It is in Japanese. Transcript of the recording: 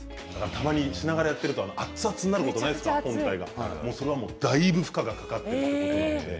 たまにやってると熱々になってることないですか、それは、だいぶ負荷がかかっているということです。